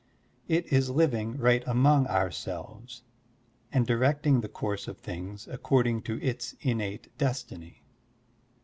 It is living right among ourselves and directing the course of things according to its innate destiny.